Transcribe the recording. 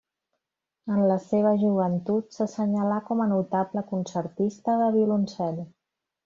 En la seva joventut s'assenyalà com a notable concertista de violoncel.